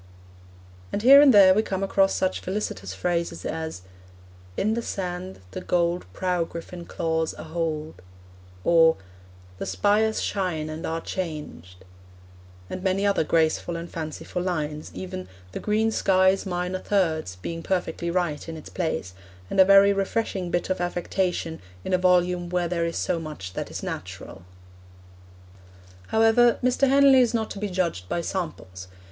And here and there we come across such felicitous phrases as In the sand The gold prow griffin claws a hold, or The spires Shine and are changed, and many other graceful or fanciful lines, even 'the green sky's minor thirds' being perfectly right in its place, and a very refreshing bit of affectation in a volume where there is so much that is natural. However, Mr. Henley is not to be judged by samples.